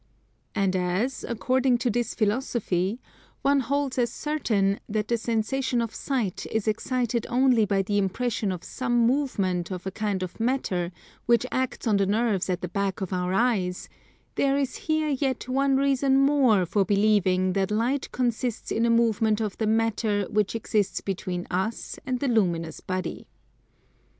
And as, according to this Philosophy, one holds as certain that the sensation of sight is excited only by the impression of some movement of a kind of matter which acts on the nerves at the back of our eyes, there is here yet one reason more for believing that light consists in a movement of the matter which exists between us and the luminous body.